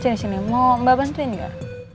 sini sini mau mbak bantuin gak